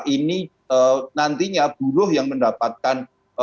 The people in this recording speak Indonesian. ini nantinya buruh yang mendapatkan